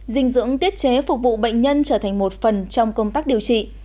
dinh dưỡng tiết chế phục vụ bệnh nhân trở thành một phần trong công tác điều trị